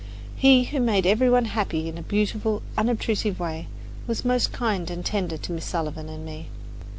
He, who made every one happy in a beautiful, unobtrusive way, was most kind and tender to Miss Sullivan and me.